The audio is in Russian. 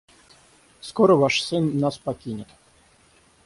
Скоро ваш сын нас покинет.